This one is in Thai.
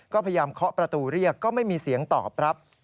ก็พยายามเคาะประตูเรียกก็ไม่มีเสียงตอบรับ